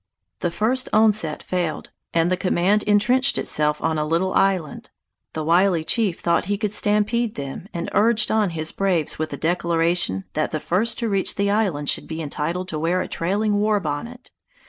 The first onset failed, and the command entrenched itself on a little island. The wily chief thought he could stampede them and urged on his braves with the declaration that the first to reach the island should be entitled to wear a trailing war bonnet.